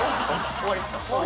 終わりです。